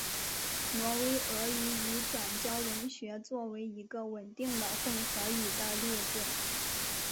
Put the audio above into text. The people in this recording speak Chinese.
挪威俄语已转交文学作为一个稳定的混合语的例子。